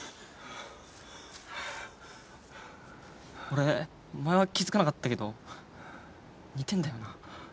俺前は気付かなかったけど似てんだよな。